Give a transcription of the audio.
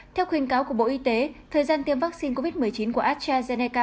theo khuyên cáo của bộ y tế thời gian tiêm vaccine covid một mươi chín của astrazeneca